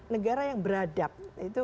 negara yang beradab itu